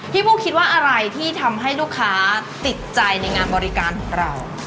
บูคิดว่าอะไรที่ทำให้ลูกค้าติดใจในงานบริการของเรา